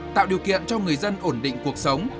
tạo điều kiện cho người dân ổn định cuộc sống